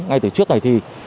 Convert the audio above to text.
ngay từ trước ngày thi